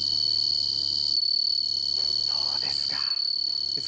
どうですか。